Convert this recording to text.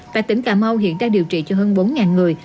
tại tỉnh cà mau hiện đang điều trị cho hơn bốn người